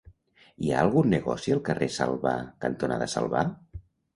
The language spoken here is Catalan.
Hi ha algun negoci al carrer Salvà cantonada Salvà?